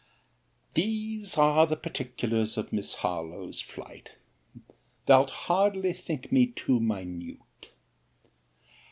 These are the particulars of Miss Harlowe's flight. Thou'lt hardly think me too minute.